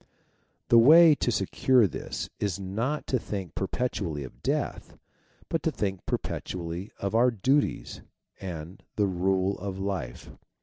The way to secure this is not to think perpetually of death, but to think perpetually of our duties, and of the rule of life.